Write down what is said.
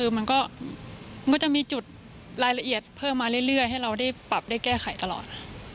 มันก็จะมีจุดรายละเอียดเพิ่มมาเรื่อยให้เราได้ปรับได้แก้ไขตลอด